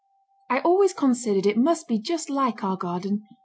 I always considered it must be just like our garden....